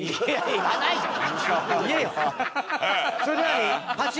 感情ないじゃん！